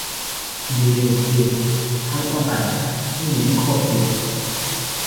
ดีล ดีล ดีลถ้าไม่ต้องไป นี่จะยิ่งโคตรดีล